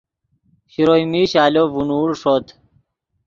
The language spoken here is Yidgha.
شروئے میش آلو ڤینوڑ ݰوت